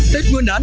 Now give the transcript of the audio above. tết nguyên đán